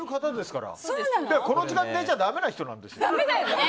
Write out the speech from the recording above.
だから、この時間に出ちゃだめな人なんですよ。